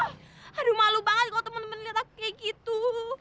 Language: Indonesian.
wah aduh malu banget kalo temen temen liat aku kayak gitu